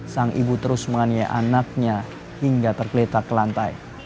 sang ibu terus menganiaya anaknya hingga tergeletak ke lantai